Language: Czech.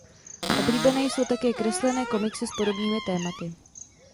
Oblíbené jsou také kreslené komiksy s podobnými tématy.